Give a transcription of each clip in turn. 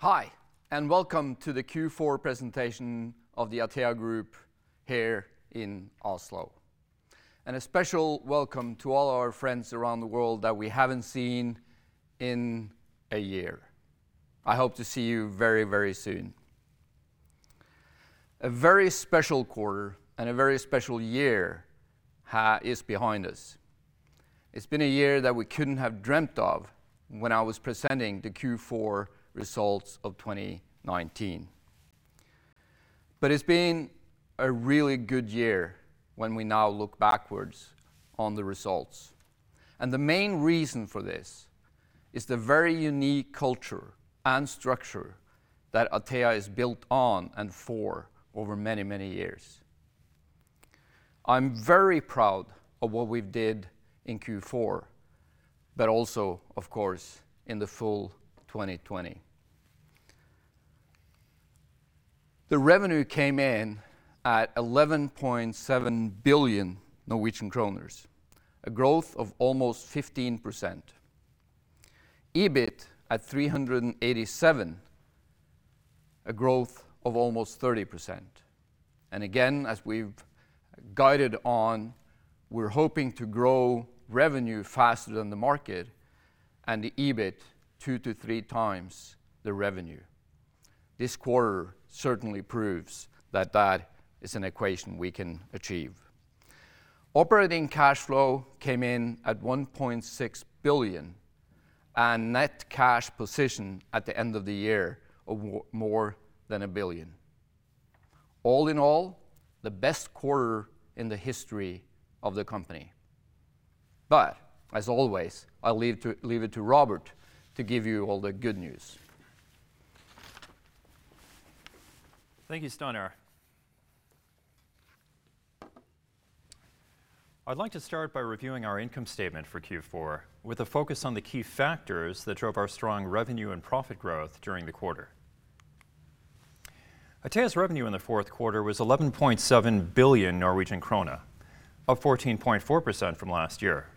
Hi, welcome to the Q4 presentation of the Atea Group here in Oslo. A special welcome to all our friends around the world that we haven't seen in a year. I hope to see you very soon. A very special quarter and a very special year is behind us. It's been a year that we couldn't have dreamt of when I was presenting the Q4 results of 2019. It's been a really good year when we now look backwards on the results. The main reason for this is the very unique culture and structure that Atea has built on and for over many, many years. I'm very proud of what we've done in Q4, but also, of course, in the full 2020. The revenue came in at 11.7 billion Norwegian kroner, a growth of almost 15%. EBIT at 387 million, a growth of almost 30%. Again, as we've guided on, we're hoping to grow revenue faster than the market and the EBIT two to three times the revenue. This quarter certainly proves that that is an equation we can achieve. Operating cash flow came in at 1.6 billion, and net cash position at the end of the year, more than 1 billion. All in all, the best quarter in the history of the company. As always, I'll leave it to Robert to give you all the good news. Thank you, Steinar. I'd like to start by reviewing our income statement for Q4 with a focus on the key factors that drove our strong revenue and profit growth during the quarter. Atea's revenue in the fourth quarter was 11.7 billion Norwegian krone, up 14.4% from last year.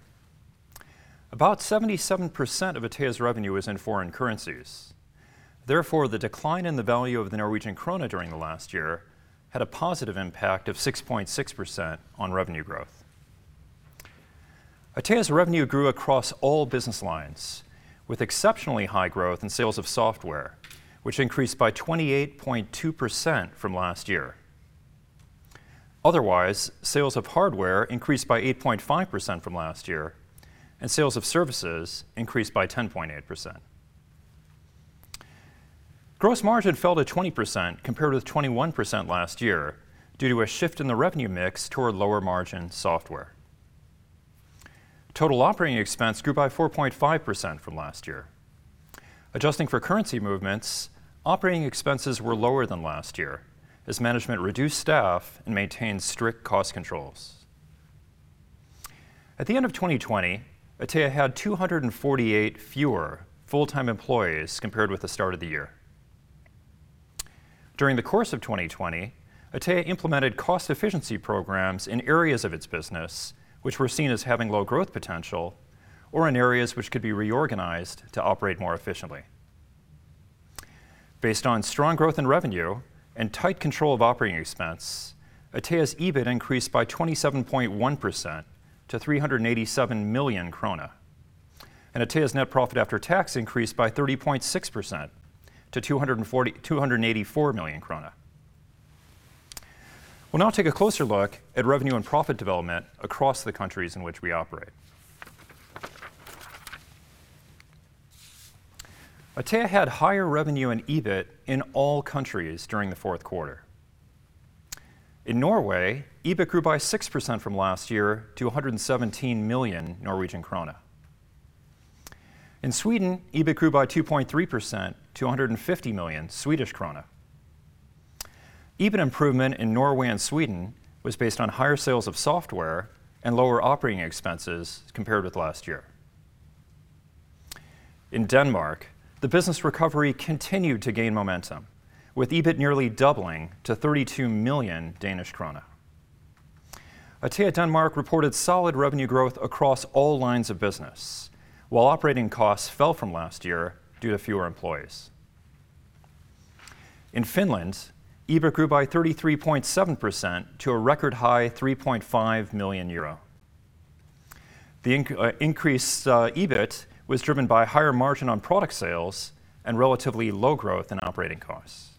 About 77% of Atea's revenue is in foreign currencies. Therefore, the decline in the value of the NOK during the last year had a positive impact of 6.6% on revenue growth. Atea's revenue grew across all business lines, with exceptionally high growth in sales of software, which increased by 28.2% from last year. Otherwise, sales of hardware increased by 8.5% from last year, and sales of services increased by 10.8%. Gross margin fell to 20% compared with 21% last year due to a shift in the revenue mix toward lower-margin software. Total operating expense grew by 4.5% from last year. Adjusting for currency movements, operating expenses were lower than last year, as management reduced staff and maintained strict cost controls. At the end of 2020, Atea had 248 fewer full-time employees compared with the start of the year. During the course of 2020, Atea implemented cost efficiency programs in areas of its business which were seen as having low growth potential or in areas which could be reorganized to operate more efficiently. Based on strong growth in revenue and tight control of operating expense, Atea's EBIT increased by 27.1% to 387 million krone, and Atea's net profit after tax increased by 30.6% to 284 million krone. We'll now take a closer look at revenue and profit development across the countries in which we operate. Atea had higher revenue and EBIT in all countries during the fourth quarter. In Norway, EBIT grew by 6% from last year to 117 million Norwegian krone. In Sweden, EBIT grew by 2.3% to 150 million Swedish krona. EBIT improvement in Norway and Sweden was based on higher sales of software and lower operating expenses compared with last year. In Denmark, the business recovery continued to gain momentum, with EBIT nearly doubling to 32 million Danish krone. Atea Denmark reported solid revenue growth across all lines of business, while operating costs fell from last year due to fewer employees. In Finland, EBIT grew by 33.7% to a record high 3.5 million euro. The increased EBIT was driven by higher margin on product sales and relatively low growth in operating costs.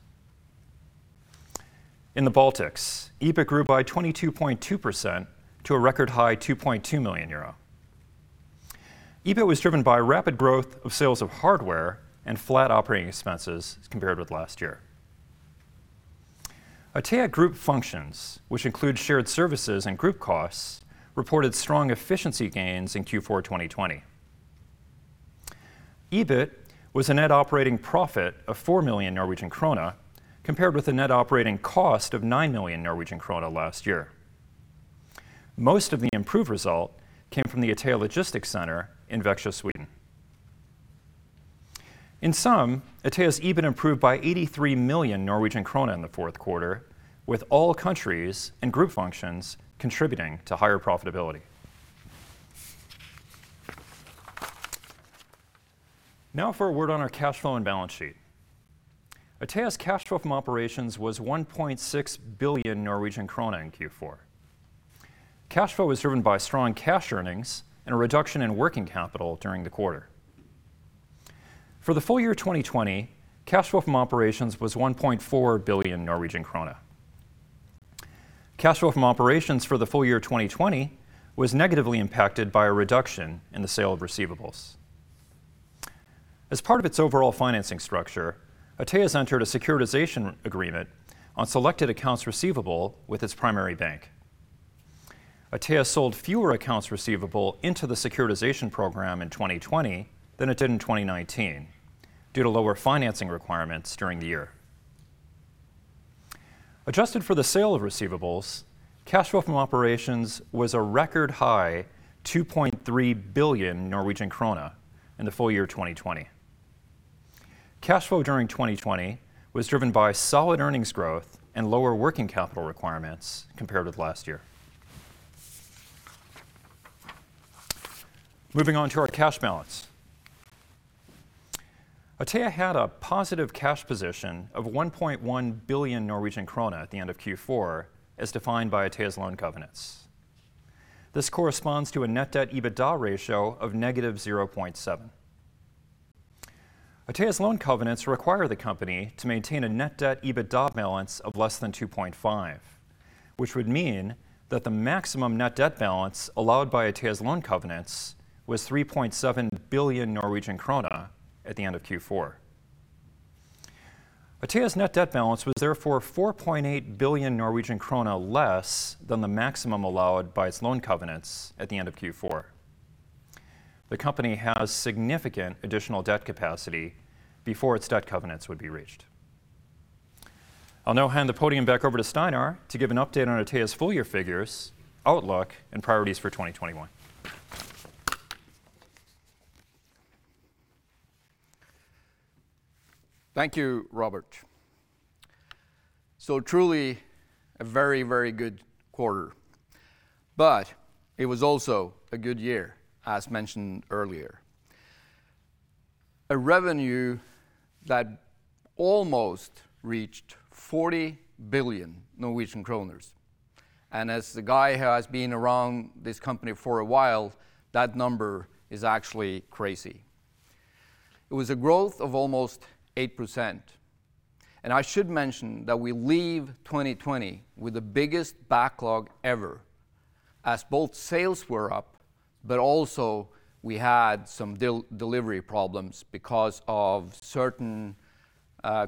In the Baltics, EBIT grew by 22.2% to a record high 2.2 million euro. EBIT was driven by rapid growth of sales of hardware and flat operating expenses compared with last year. Atea Group Functions, which include shared services and group costs, reported strong efficiency gains in Q4 2020. EBIT was a net operating profit of 4 million Norwegian krone, compared with a net operating cost of 9 million Norwegian krone last year. Most of the improved result came from the Atea logistics center in Växjö, Sweden. In sum, Atea's EBIT improved by 83 million Norwegian krone in the fourth quarter, with all countries and group functions contributing to higher profitability. Now for a word on our cash flow and balance sheet. Atea's cash flow from operations was 1.6 billion Norwegian krone in Q4. Cash flow was driven by strong cash earnings and a reduction in working capital during the quarter. For the full year 2020, cash flow from operations was 1.4 billion Norwegian krone. Cash flow from operations for the full year 2020 was negatively impacted by a reduction in the sale of receivables. As part of its overall financing structure, Atea's entered a securitization agreement on selected accounts receivable with its primary bank. Atea sold fewer accounts receivable into the securitization program in 2020 than it did in 2019 due to lower financing requirements during the year. Adjusted for the sale of receivables, cash flow from operations was a record high 2.3 billion Norwegian krone in the full year 2020. Cash flow during 2020 was driven by solid earnings growth and lower working capital requirements compared with last year. Moving on to our cash balance. Atea had a positive cash position of 1.1 billion Norwegian krone at the end of Q4, as defined by Atea's loan covenants. This corresponds to a net debt EBITDA ratio of -0.7. Atea's loan covenants require the company to maintain a net debt EBITDA balance of less than 2.5, which would mean that the maximum net debt balance allowed by Atea's loan covenants was 3.7 billion Norwegian krone at the end of Q4. Atea's net debt balance was therefore 4.8 billion Norwegian krone less than the maximum allowed by its loan covenants at the end of Q4. The company has significant additional debt capacity before its debt covenants would be reached. I'll now hand the podium back over to Steinar to give an update on Atea's full year figures, outlook, and priorities for 2021. Thank you, Robert. Truly, a very, very good quarter. It was also a good year, as mentioned earlier. A revenue that almost reached 40 billion Norwegian kroner, and as the guy who has been around this company for a while, that number is actually crazy. It was a growth of almost 8%, and I should mention that we leave 2020 with the biggest backlog ever, as both sales were up, but also we had some delivery problems because of certain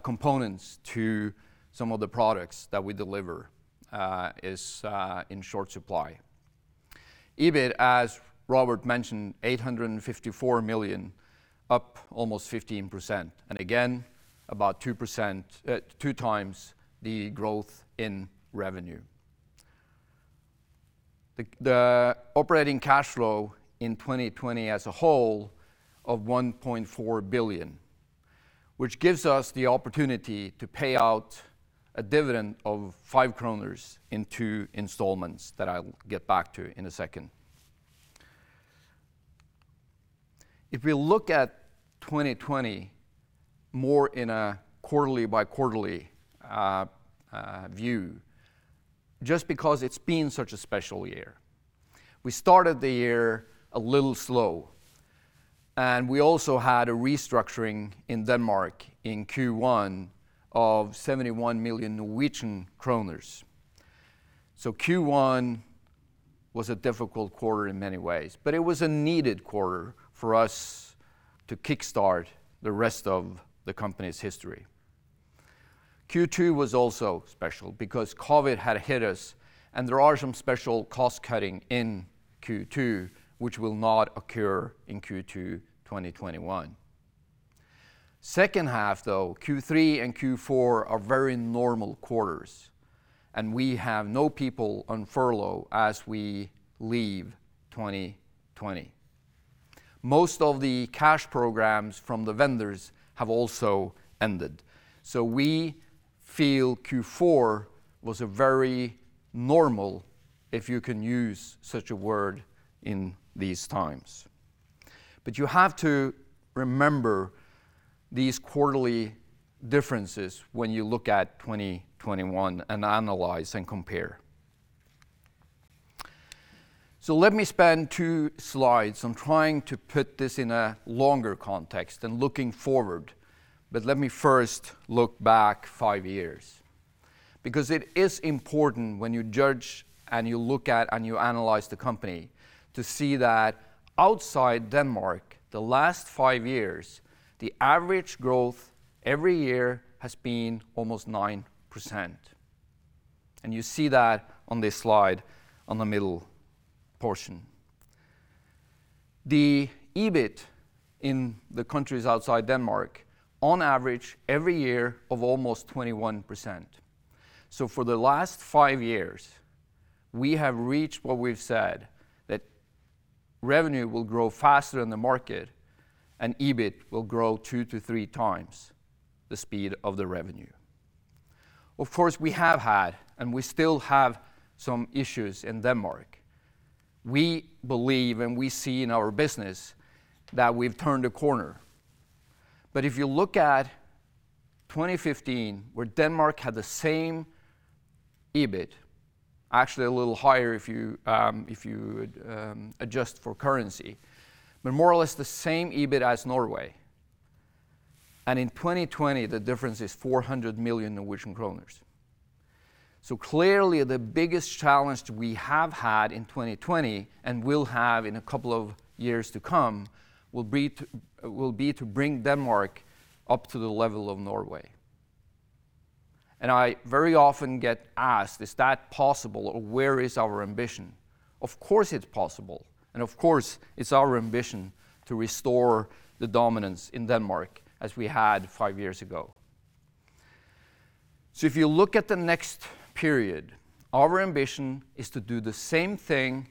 components to some of the products that we deliver is in short supply. EBIT, as Robert mentioned, 854 million, up almost 15%, and again, about two times the growth in revenue. The operating cash flow in 2020 as a whole of 1.4 billion, which gives us the opportunity to pay out a dividend of 5 kroner in two installments that I'll get back to in a second. If we look at 2020 more in a quarterly by quarterly view, just because it's been such a special year. We also had a restructuring in Denmark in Q1 of 71 million Norwegian kroner. Q1 was a difficult quarter in many ways. It was a needed quarter for us to kickstart the rest of the company's history. Q2 was also special because COVID had hit us and there are some special cost cutting in Q2, which will not occur in Q2 2021. Second half though, Q3 and Q4, are very normal quarters, and we have no people on furlough as we leave 2020. Most of the cash programs from the vendors have also ended. We feel Q4 was very normal, if you can use such a word in these times. You have to remember these quarterly differences when you look at 2021 and analyze and compare. Let me spend two slides on trying to put this in a longer context and looking forward, but let me first look back five years. It is important when you judge and you look at and you analyze the company to see that outside Denmark, the last five years, the average growth every year has been almost 9%. You see that on this slide on the middle portion. The EBIT in the countries outside Denmark, on average every year of almost 21%. For the last five years, we have reached what we've said that revenue will grow faster than the market and EBIT will grow two to three times the speed of the revenue. Of course, we have had, and we still have some issues in Denmark. We believe and we see in our business that we've turned a corner. If you look at 2015, where Denmark had the same EBIT, actually a little higher if you adjust for currency, more or less the same EBIT as Norway. In 2020, the difference is 400 million Norwegian kroner. Clearly the biggest challenge we have had in 2020, and will have in a couple of years to come, will be to bring Denmark up to the level of Norway. I very often get asked, is that possible, or where is our ambition? Of course, it's possible, and of course, it's our ambition to restore the dominance in Denmark as we had five years ago. If you look at the next period, our ambition is to do the same thing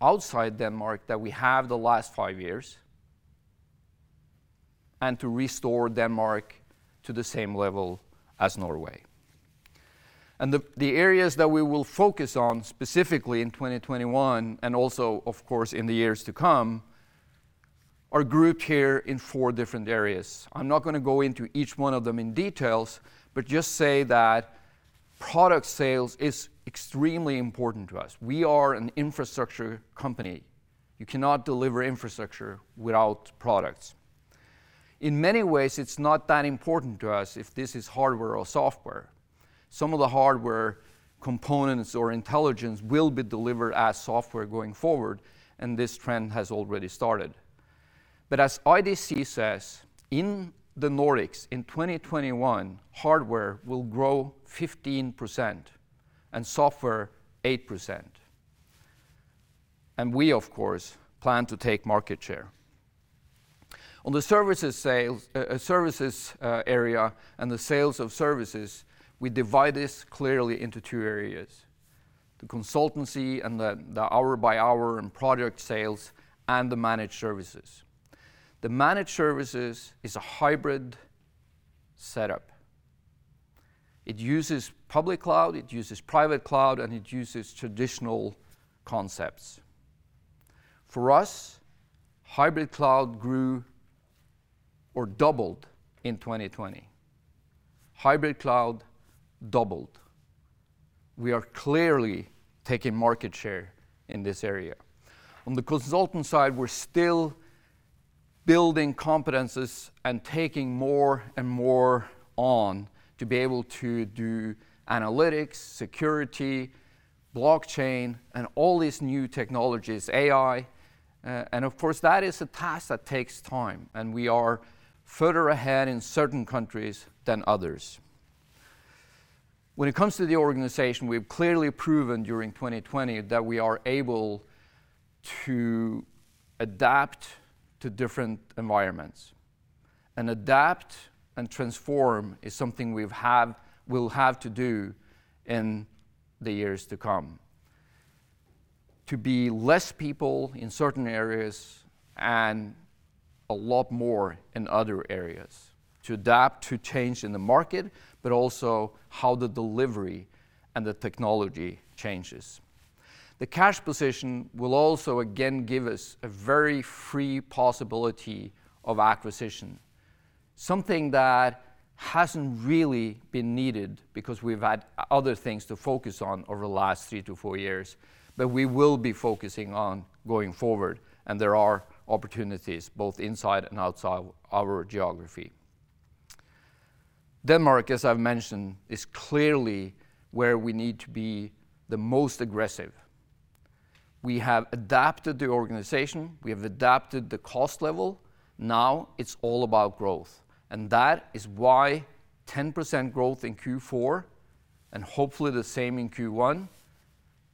outside Denmark that we have the last five years, and to restore Denmark to the same level as Norway. The areas that we will focus on specifically in 2021 and also, of course, in the years to come, are grouped here in four different areas. I'm not going to go into each one of them in details, but just say that product sales is extremely important to us. We are an infrastructure company. You cannot deliver infrastructure without products. In many ways, it's not that important to us if this is hardware or software. Some of the hardware components or intelligence will be delivered as software going forward, and this trend has already started. As IDC says, in the Nordics in 2021, hardware will grow 15% and software 8%. We, of course, plan to take market share. On the services area and the sales of services, we divide this clearly into two areas, the consultancy and the hour-by-hour and product sales, and the managed services. The managed services is a hybrid setup. It uses public cloud, it uses private cloud, and it uses traditional concepts. For us, hybrid cloud grew or doubled in 2020. Hybrid cloud doubled. We are clearly taking market share in this area. On the consultant side, we're still building competencies and taking more and more on to be able to do analytics, security, blockchain, and all these new technologies, AI. Of course, that is a task that takes time, and we are further ahead in certain countries than others. When it comes to the organization, we've clearly proven during 2020 that we are able to adapt to different environments. Adapt and transform is something we'll have to do in the years to come. To be less people in certain areas and a lot more in other areas. To adapt to change in the market, but also how the delivery and the technology changes. The cash position will also again give us a very free possibility of acquisition, something that hasn't really been needed because we've had other things to focus on over the last three to four years, but we will be focusing on going forward, and there are opportunities both inside and outside our geography. Denmark, as I've mentioned, is clearly where we need to be the most aggressive. We have adapted the organization, we have adapted the cost level, now it's all about growth. That is why 10% growth in Q4, and hopefully the same in Q1,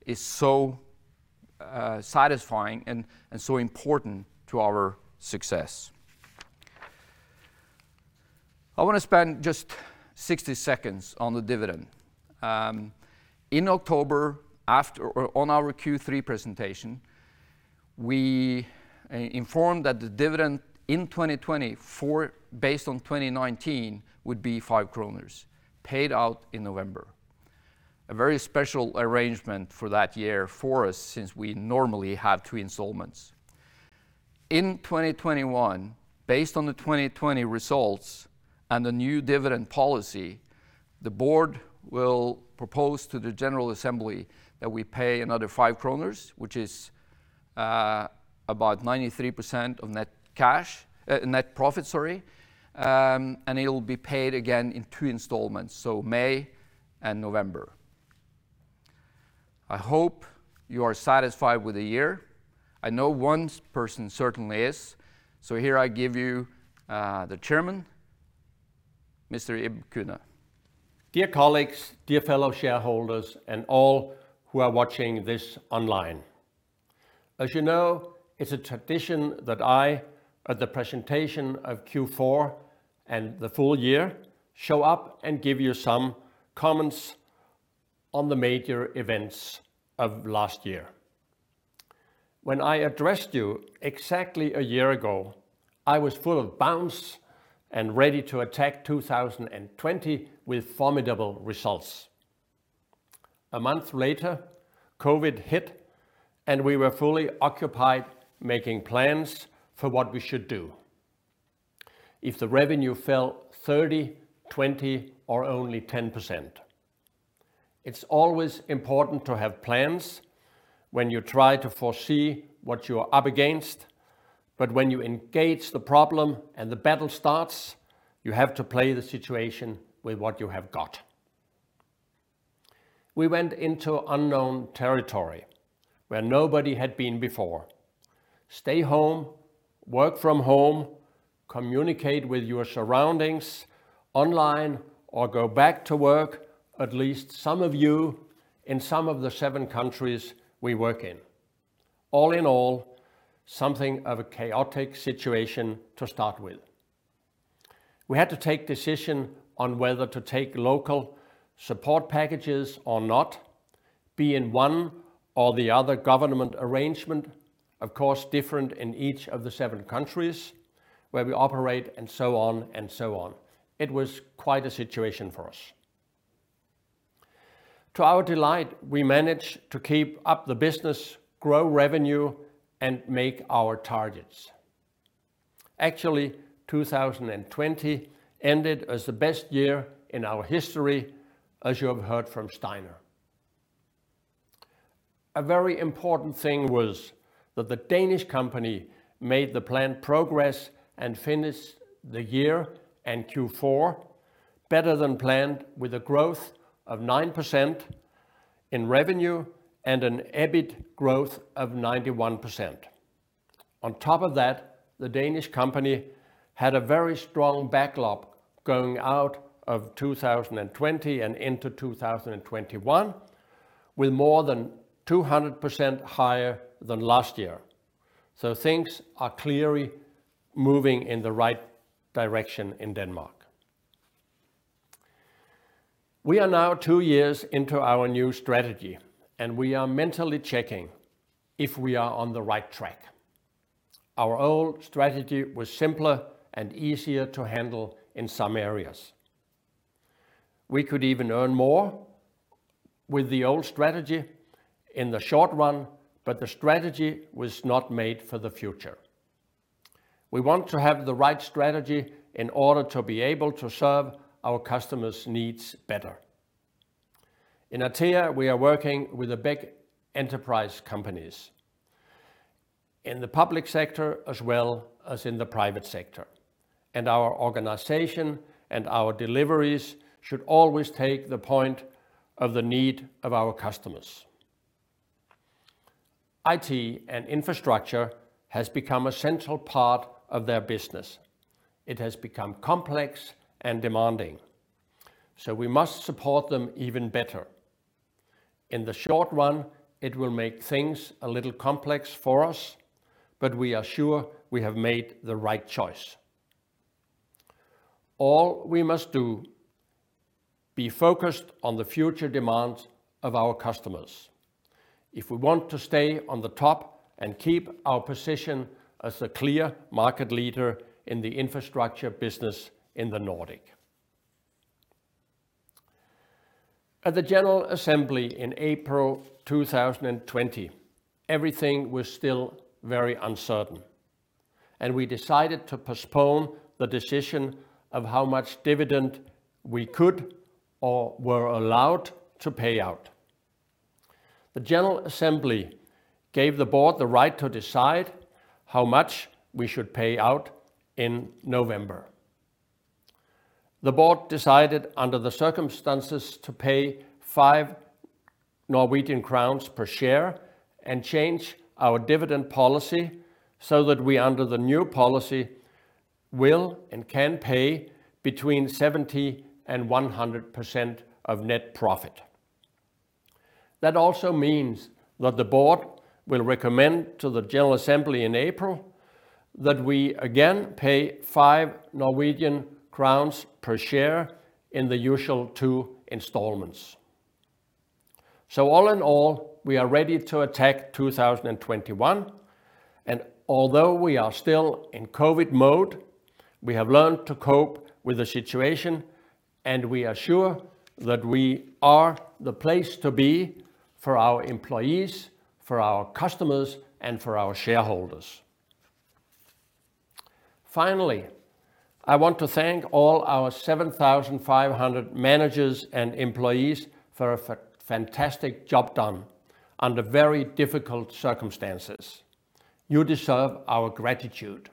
is so satisfying and so important to our success. I want to spend just 60 seconds on the dividend. In October, on our Q3 presentation, we informed that the dividend in 2020 based on 2019 would be 5 kroner paid out in November. A very special arrangement for that year for us since we normally have two installments. In 2021, based on the 2020 results and the new dividend policy, the board will propose to the general assembly that we pay another 5 kroner, which is about 93% of net profit, and it'll be paid again in two installments, so May and November. I hope you are satisfied with the year. I know one person certainly is, so here I give you the Chairman, Mr. Ib Kunøe. Dear colleagues, dear fellow shareholders, and all who are watching this online. As you know, it's a tradition that I, at the presentation of Q4 and the full year, show up and give you some comments on the major events of last year. When I addressed you exactly a year ago, I was full of bounce and ready to attack 2020 with formidable results. A month later, COVID hit, and we were fully occupied making plans for what we should do if the revenue fell 30%, 20%, or only 10%. It's always important to have plans when you try to foresee what you're up against, but when you engage the problem and the battle starts, you have to play the situation with what you have got. We went into unknown territory where nobody had been before. Stay home, work from home, communicate with your surroundings online, or go back to work, at least some of you in some of the seven countries we work in. All in all, something of a chaotic situation to start with. We had to take decision on whether to take local support packages or not, be in one or the other government arrangement, of course, different in each of the seven countries where we operate, and so on. It was quite a situation for us. To our delight, we managed to keep up the business, grow revenue, and make our targets. Actually, 2020 ended as the best year in our history, as you have heard from Steinar. A very important thing was that Atea Denmark made the planned progress and finished the year and Q4 better than planned, with a growth of 9% in revenue and an EBIT growth of 91%. On top of that, Atea Denmark had a very strong backlog going out of 2020 and into 2021, with more than 200% higher than last year. Things are clearly moving in the right direction in Denmark. We are now two years into our new strategy, and we are mentally checking if we are on the right track. Our old strategy was simpler and easier to handle in some areas. We could even earn more with the old strategy in the short run, but the strategy was not made for the future. We want to have the right strategy in order to be able to serve our customers' needs better. In Atea, we are working with the big enterprise companies in the public sector as well as in the private sector, and our organization and our deliveries should always take the point of the need of our customers. IT and infrastructure has become a central part of their business. It has become complex and demanding, so we must support them even better. In the short run, it will make things a little complex for us, but we are sure we have made the right choice. All we must do, be focused on the future demands of our customers if we want to stay on the top and keep our position as a clear market leader in the infrastructure business in the Nordic. At the general assembly in April 2020, everything was still very uncertain, and we decided to postpone the decision of how much dividend we could or were allowed to pay out. The general assembly gave the board the right to decide how much we should pay out in November. The board decided under the circumstances to pay 5 Norwegian crowns per share and change our dividend policy so that we, under the new policy, will and can pay between 70% and 100% of net profit. That also means that the board will recommend to the general assembly in April that we again pay 5 Norwegian crowns per share in the usual two installments. All in all, we are ready to attack 2021, and although we are still in COVID mode, we have learned to cope with the situation, and we are sure that we are the place to be for our employees, for our customers, and for our shareholders. Finally, I want to thank all our 7,500 managers and employees for a fantastic job done under very difficult circumstances. You deserve our gratitude.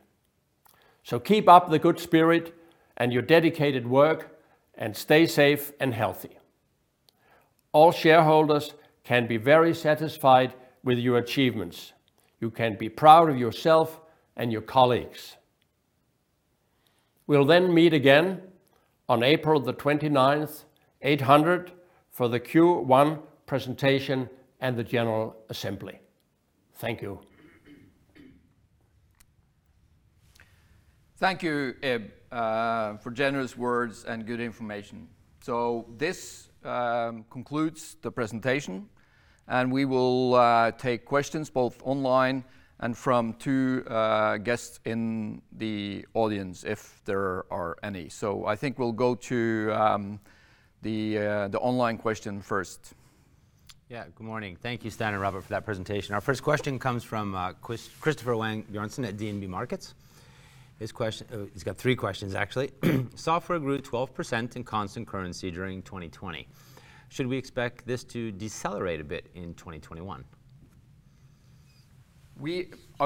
Keep up the good spirit and your dedicated work and stay safe and healthy. All shareholders can be very satisfied with your achievements. You can be proud of yourself and your colleagues. We'll meet again on April the 29th, 8:00 A.M., for the Q1 presentation and the general assembly. Thank you. Thank you, Ib, for generous words and good information. This concludes the presentation, and we will take questions both online and from two guests in the audience if there are any. I think we'll go to the online question first. Good morning. Thank you, Steinar, Robert, for that presentation. Our first question comes from Christoffer Wang Bjørnsen at DNB Markets. He's got three questions, actually. "Software grew 12% in constant currency during 2020. Should we expect this to decelerate a bit in 2021?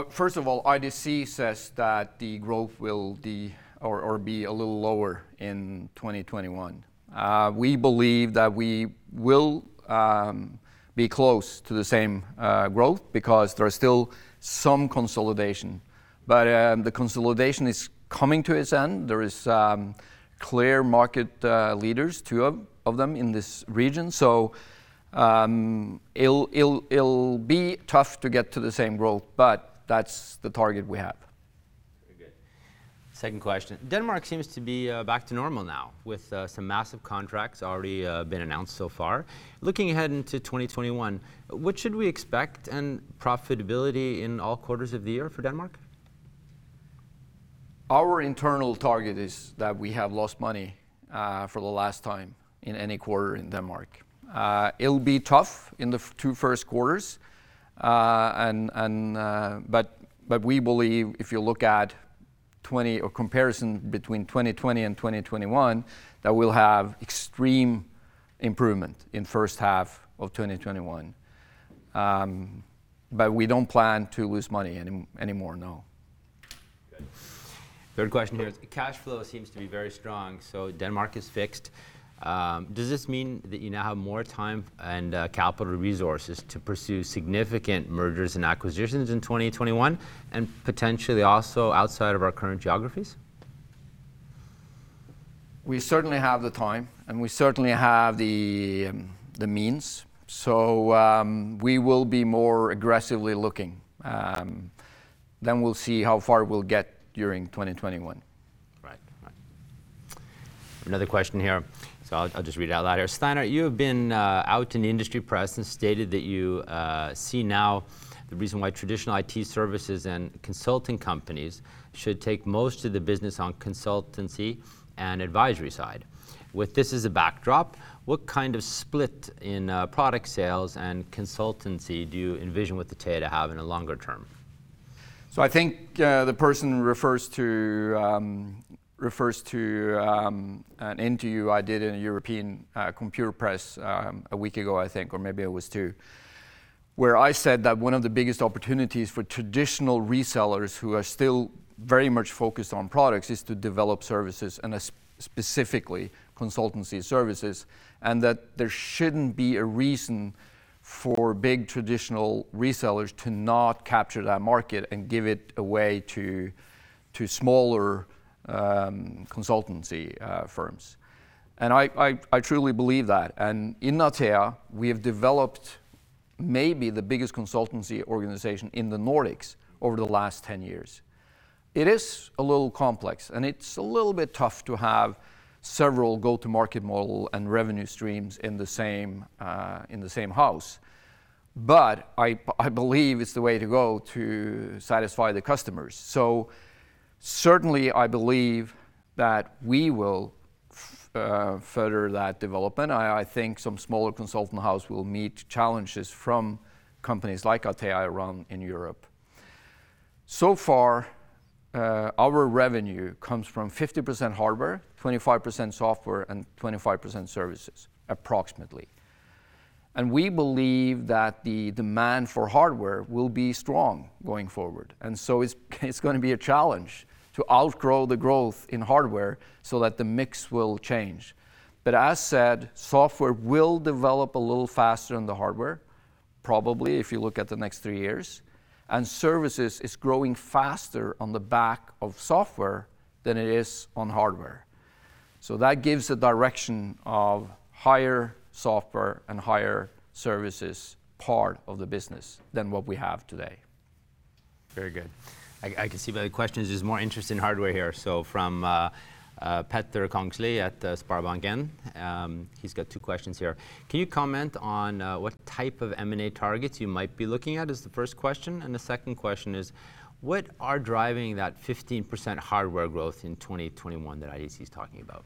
First of all, IDC says that the growth will be a little lower in 2021. We believe that we will be close to the same growth because there is still some consolidation, but the consolidation is coming to its end. There is clear market leaders, two of them, in this region. It'll be tough to get to the same growth, but that's the target we have. Very good. Second question. Denmark seems to be back to normal now with some massive contracts already been announced so far. Looking ahead into 2021, what should we expect and profitability in all quarters of the year for Denmark? Our internal target is that we have lost money for the last time in any quarter in Denmark. It'll be tough in the two first quarters, we believe if you look at a comparison between 2020 and 2021, that we'll have extreme improvement in first half of 2021. We don't plan to lose money anymore, no. Good. Third question here. Cash flow seems to be very strong, so Denmark is fixed. Does this mean that you now have more time and capital resources to pursue significant mergers and acquisitions in 2021, and potentially also outside of our current geographies? We certainly have the time, and we certainly have the means, so we will be more aggressively looking. We'll see how far we'll get during 2021. Right. Another question here. I'll just read it out loud here. "Steinar, you have been out in the industry press and stated that you see now the reason why traditional IT services and consulting companies should take most of the business on consultancy and advisory side. With this as a backdrop, what kind of split in product sales and consultancy do you envision with Atea to have in a longer term? I think the person refers to an interview I did in European Computer Press a week ago, I think, or maybe it was two, where I said that one of the biggest opportunities for traditional resellers who are still very much focused on products is to develop services and specifically consultancy services, and that there shouldn't be a reason for big traditional resellers to not capture that market and give it away to smaller consultancy firms. I truly believe that. In Atea, we have developed maybe the biggest consultancy organization in the Nordics over the last 10 years. It is a little complex, and it's a little bit tough to have several go-to-market model and revenue streams in the same house. I believe it's the way to go to satisfy the customers. Certainly, I believe that we will further that development. I think some smaller consultant house will meet challenges from companies like Atea around in Europe. So far, our revenue comes from 50% hardware, 25% software, and 25% services approximately. We believe that the demand for hardware will be strong going forward. It's going to be a challenge to outgrow the growth in hardware so that the mix will change. As said, software will develop a little faster than the hardware, probably if you look at the next three years, and services is growing faster on the back of software than it is on hardware. That gives a direction of higher software and higher services part of the business than what we have today. Very good. I can see by the questions there's more interest in hardware here. From Petter Kongslie at SpareBank 1 Markets, he's got two questions here. "Can you comment on what type of M&A targets you might be looking at?" is the first question, and the second question is, "What are driving that 15% hardware growth in 2021 that IDC is talking about?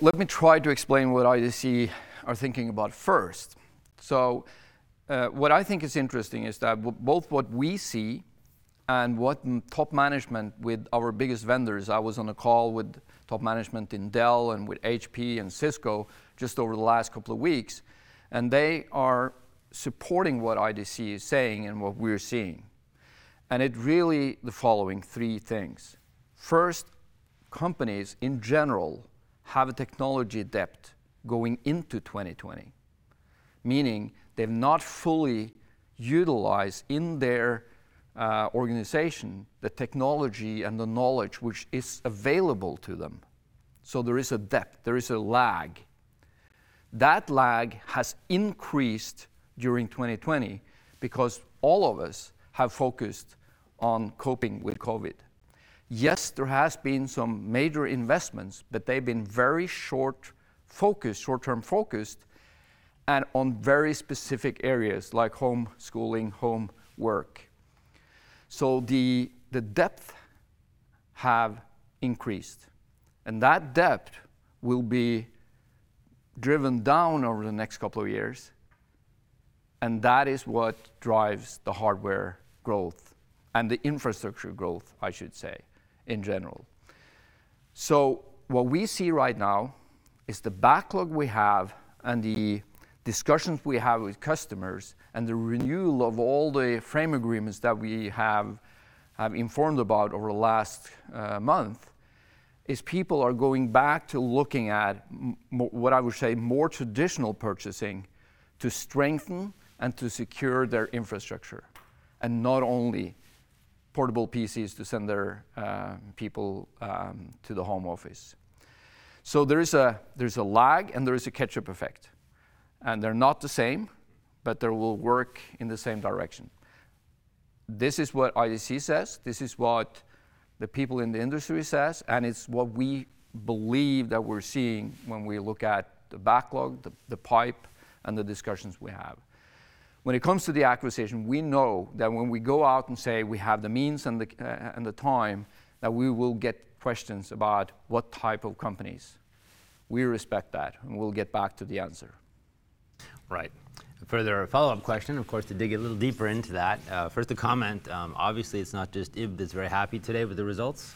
Let me try to explain what IDC are thinking about first. What I think is interesting is that both what we see and what top management with our biggest vendors, I was on a call with top management in Dell and with HP and Cisco just over the last couple of weeks, and they are supporting what IDC is saying and what we're seeing. It really the following three things. First, companies in general have a technology debt going into 2020, meaning they've not fully utilized in their organization the technology and the knowledge which is available to them. There is a debt, there is a lag. That lag has increased during 2020 because all of us have focused on coping with COVID. There has been some major investments, but they've been very short term-focused and on very specific areas like homeschooling, home work. The debt have increased, and that debt will be driven down over the next couple of years, and that is what drives the hardware growth and the infrastructure growth, I should say, in general. What we see right now is the backlog we have and the discussions we have with customers and the renewal of all the frame agreements that we have informed about over the last month, is people are going back to looking at what I would say more traditional purchasing to strengthen and to secure their infrastructure, and not only portable PCs to send their people to the home office. There's a lag, and there is a catch-up effect, and they're not the same, but they will work in the same direction. This is what IDC says, this is what the people in the industry says, and it's what we believe that we're seeing when we look at the backlog, the pipe, and the discussions we have. When it comes to the acquisition, we know that when we go out and say we have the means and the time, that we will get questions about what type of companies. We respect that, and we'll get back to the answer. Right. Further follow-up question, of course, to dig a little deeper into that. First, the comment, obviously it's not just Ib Kunøe that's very happy today with the results,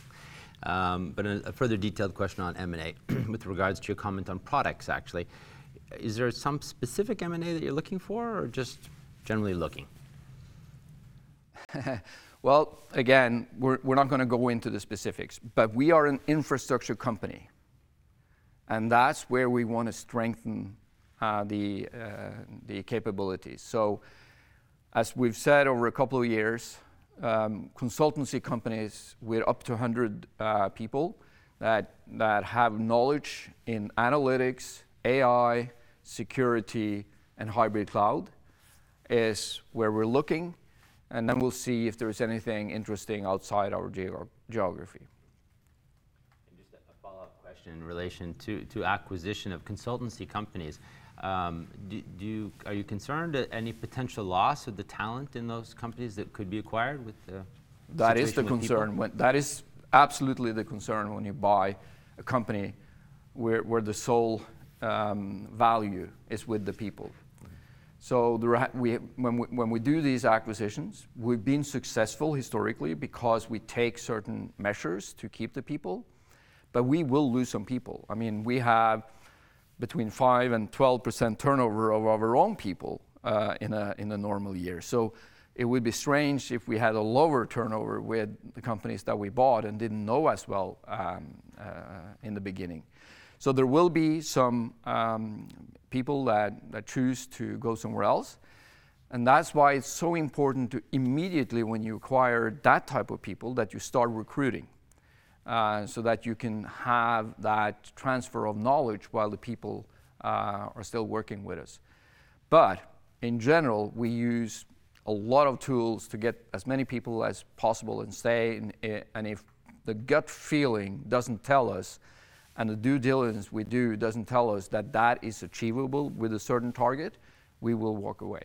but a further detailed question on M&A with regards to your comment on products, actually. Is there some specific M&A that you're looking for or just generally looking? Again, we're not going to go into the specifics. We are an infrastructure company, and that's where we want to strengthen the capabilities. As we've said over a couple of years, consultancy companies with up to 100 people that have knowledge in analytics, AI, security, and hybrid cloud is where we're looking, then we'll see if there's anything interesting outside our geography. Just a follow-up question in relation to acquisition of consultancy companies. Are you concerned at any potential loss of the talent in those companies that could be acquired with the situation? That is absolutely the concern when you buy a company where the sole value is with the people. When we do these acquisitions, we've been successful historically because we take certain measures to keep the people, but we will lose some people. We have between 5% and 12% turnover of our own people in a normal year. It would be strange if we had a lower turnover with the companies that we bought and didn't know as well in the beginning. There will be some people that choose to go somewhere else, and that's why it's so important to immediately when you acquire that type of people, that you start recruiting, so that you can have that transfer of knowledge while the people are still working with us. In general, we use a lot of tools to get as many people as possible and stay, and if the gut feeling doesn't tell us and the due diligence we do doesn't tell us that that is achievable with a certain target, we will walk away.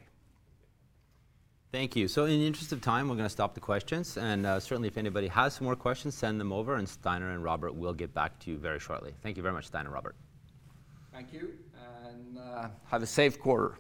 Thank you. In the interest of time, we're going to stop the questions. Certainly, if anybody has more questions, send them over and Steinar and Robert will get back to you very shortly. Thank you very much, Steinar and Robert. Thank you, and have a safe quarter.